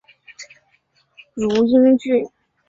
汝阴郡。